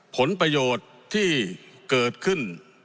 ผลประโยชน์ที่เกิดขึ้น